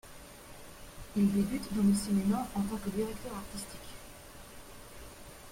Il débute dans le cinéma en tant que directeur artistique.